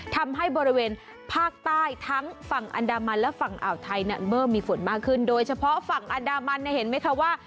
ทำให้บริเวณภาคใต้ทั้งฝั่งอันดามันและฝั่งอ่าวไทยเนี่ยเมื่อมีฝนมากขึ้นโดยเฉพาะฝั่งอันดามันเนี่ยเห็นไหมคะว่า